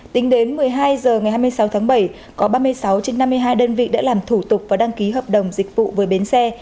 tính đến một mươi hai h ngày hai mươi sáu tháng bảy có ba mươi sáu trên năm mươi hai đơn vị đã làm thủ tục và đăng ký hợp đồng dịch vụ với bến xe